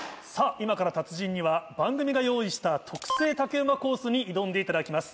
今から達人には番組が用意した。に挑んでいただきます。